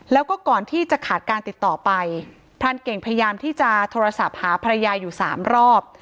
แล้วก็ก่อนที่จะขาดการติดต่อไปพรานเก่งพยายามที่จะโทรศัพท์หาภรรยาอยู่สามรอบ